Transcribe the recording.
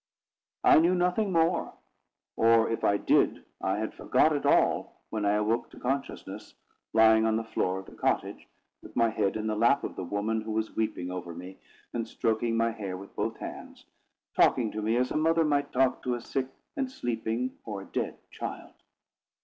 I knew nothing more; or, if I did, I had forgot it all when I awoke to consciousness, lying on the floor of the cottage, with my head in the lap of the woman, who was weeping over me, and stroking my hair with both hands, talking to me as a mother might talk to a sick and sleeping, or a dead child.